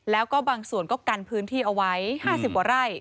แล้วก็บางส่วนก็กันพื้นที่เอาไว้๕๐กว่าไร่